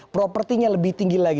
propertinya lebih tinggi lagi